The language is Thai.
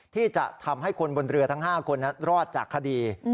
ที่จะทำให้คนบนเรือทั้ง๕คนนั้นรอดจากคดี